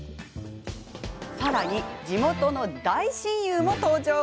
さらに、地元の大親友も登場。